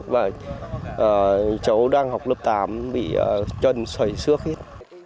và cháu đang học lớp tám bị chân sởi xước hết